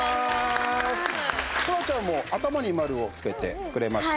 そらちゃんも頭に丸をつけてくれました。